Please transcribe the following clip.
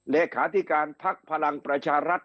เลขาธิการภักดิ์พลังประชารัฐ